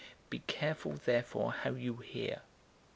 008:018 Be careful therefore how you hear.